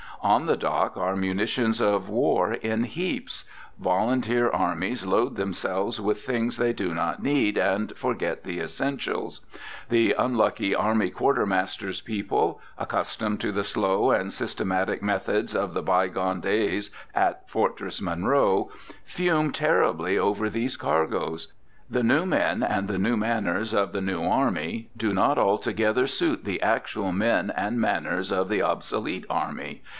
On the dock are munitions of war in heaps. Volunteer armies load themselves with things they do not need, and forget the essentials. The unlucky army quartermaster's people, accustomed to the slow and systematic methods of the by gone days at Fortress Monroe, fume terribly over these cargoes. The new men and the new manners of the new army do not altogether suit the actual men and manners of the obsolete army.